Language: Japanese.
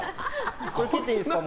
これ切っていいですか？